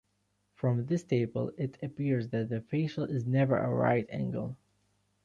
From this table it appears that the facial is never a right angle.